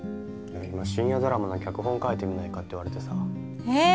今深夜ドラマの脚本書いてみないかって言われてさええ